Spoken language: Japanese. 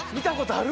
ある？